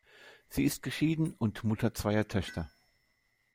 Sie ist geschieden und Mutter zweier Töchter.